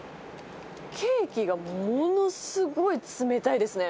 ケーキがものすごい冷たいですね。